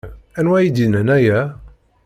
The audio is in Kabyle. Anwa ay d-yennan aya?